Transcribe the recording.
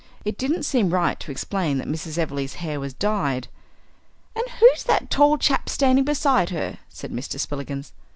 It didn't seem right to explain that Mrs. Everleigh's hair was dyed. "And who's that tall chap standing beside her?" said Mr. Spillikins.